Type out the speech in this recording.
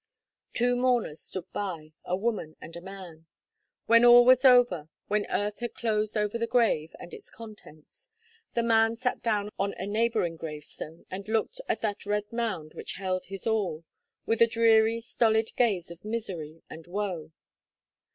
Two mourners stood by: a woman and a man. When all was over, when earth had closed over the grave and its contents, the man sat down on a neighbouring gravestone, and looked at that red mound which held his all, with a dreary stolid gaze of misery and woe.